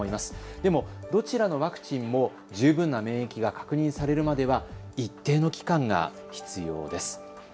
でも、どちらのワクチンも十分な免疫が確認されるまでは一定の期間が必要です。